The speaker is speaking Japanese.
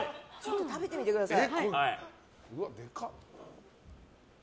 食べてみてください。